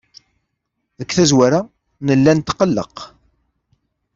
Deg tazwara, nella netqelleq.